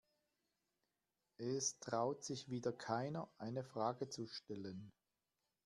Es traut sich wieder keiner, eine Frage zu stellen.